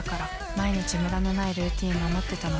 毎日無駄のないルーティン守ってたのに。